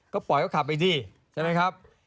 ก็ปล่อยเขาขับไปสิใช่ไหมครับ